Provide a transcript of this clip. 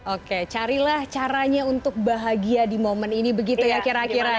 oke carilah caranya untuk bahagia di momen ini begitu ya kira kira